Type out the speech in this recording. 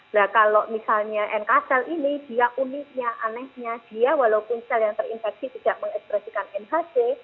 nah kalau misalnya nk cell ini dia uniknya anehnya dia walaupun sel yang terinfeksi tidak mengekspresikan nhc